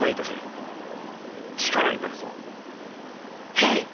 へい。